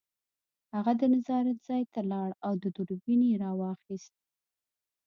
هغه د نظارت ځای ته لاړ او دوربین یې راواخیست